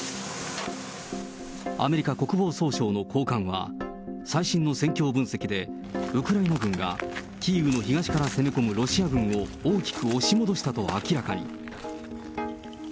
アメリカ国防総省の高官は、最新の戦況分析で、ウクライナ軍がキーウの東から攻め込むロシア軍を、大きく押し戻したと明らかに。